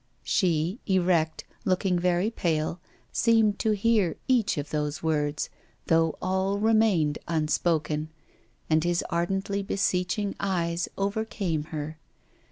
She, erect, looking very pale, seemed to hear each of those words, though all remained unspoken, and his ardently beseeching eyes overcame her.